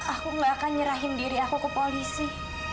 aku gak akan nyerahin diri aku ke polisi